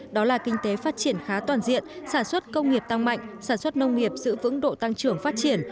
đó là kinh tế phát triển khá toàn diện sản xuất công nghiệp tăng mạnh sản xuất nông nghiệp giữ vững độ tăng trưởng phát triển